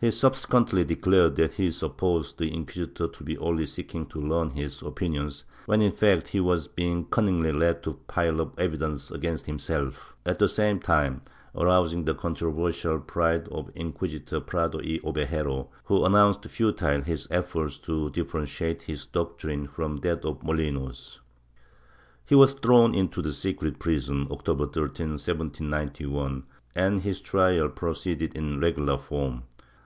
He subsequently declared that he supposed the inquisitor to be only seeking to learn his opinions when in fact he was being cunningly led to pile up evidence against himself, at the same time arousing the controversial pride of Inquisitor Prado y Obejero, who pronounced futile his efforts to differentiate his doctrine from that of Molinos. He was thrown into the secret prison, October 13, 1791, and his trial proceeded in regular form.